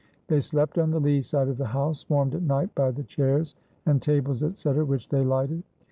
They slept on the lee side of the house, warmed at night by the chairs and tables, etc., which they lighted.